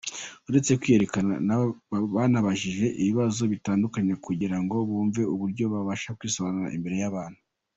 Uretse kwiyerekana banabajijwe ibibazo bitandukanye kugirango bumve uburyo babasha kwisobanura imbere y'abantu.